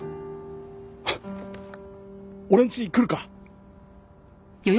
俺んち来るか？